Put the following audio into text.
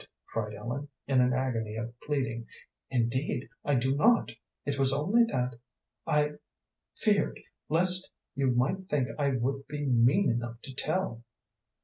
cried Ellen, in an agony of pleading. "Indeed, I do not. It was only that I feared lest you might think I would be mean enough to tell."